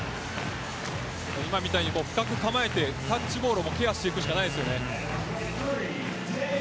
今みたいに深く構えてタッチボールをケアしていくしかないです。